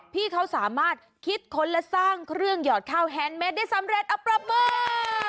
พี่เขาสามารถคิดค้นและสร้างเครื่องหยอดข้าวแฮนดเม็ดได้สำเร็จเอาปรบมือ